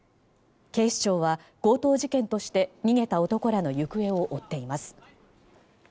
警視庁は強盗事件として逃げた男らの行方を追っています。